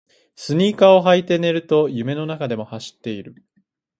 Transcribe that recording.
スニーカーを履いて寝ると夢の中でも走っている